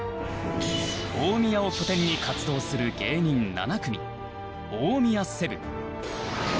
大宮を拠点に活動する芸人７組大宮セブン